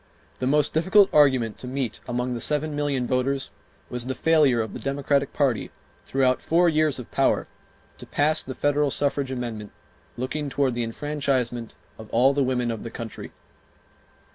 The most difficult argument to meet among the seven million voters was the failure of the Democratic party, throughout four years of power, to pass the federal suffrage amendment looking toward the enfranchisement of all the women of the country.